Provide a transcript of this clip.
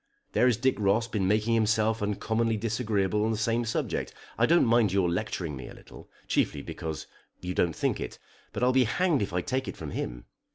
There is Dick Ross been making himself uncommonly disagreeable on the same subject. I don't mind your lecturing me a little, chiefly because you don't think it; but I'll be hanged if I take it from him.